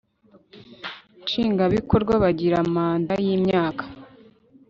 nshingwabikorwa bagira manda y imyaka